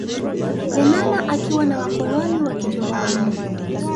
Lenana akiwa na wakoloni wa kijerumani